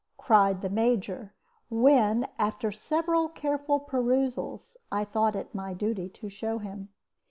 cried the Major, when, after several careful perusals, I thought it my duty to show it to him.